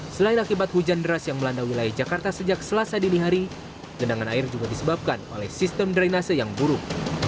selain akibat hujan deras yang melanda wilayah jakarta sejak selasa dini hari genangan air juga disebabkan oleh sistem drainase yang buruk